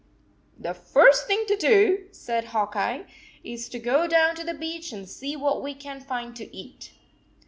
"The first thing to do," said Hawk Eye, "is to go down to the beach and see what we can find to eat."